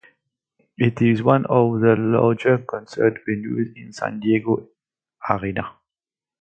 It is one of the larger concert venues in the San Diego area.